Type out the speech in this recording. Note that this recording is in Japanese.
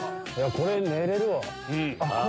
これ寝れるわ。